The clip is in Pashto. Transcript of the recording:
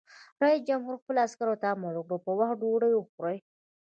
رئیس جمهور خپلو عسکرو ته امر وکړ؛ په وخت ډوډۍ وخورئ!